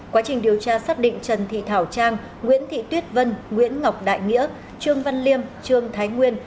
quá trình điều tra xác định trần thị thảo trang nguyễn thị tuyết vân nguyễn ngọc đại nghĩa trương văn liêm trương thái nguyên